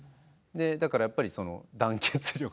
だからやっぱりその団結力。